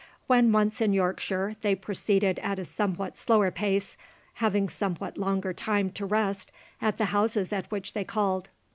When once in Yorkshire they proceeded at a somewhat slower pace, having somewhat longer time to rest at the houses at which they called.